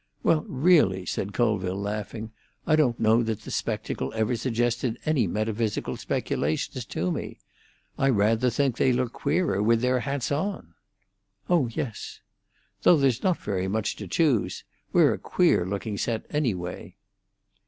"Well, really," said Colville, laughing, "I don't know that the spectacle ever suggested any metaphysical speculations to me. I rather think they look queerer with their hats on." "Oh yes." "Though there is not very much to choose. We're a queer looking set, anyway."